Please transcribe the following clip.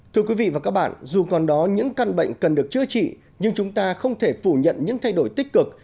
thưa quý vị và các bạn dù còn đó những căn bệnh cần được chữa trị nhưng chúng ta không thể phủ nhận những thay đổi tích cực